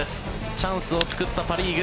チャンスを作ったパ・リーグ。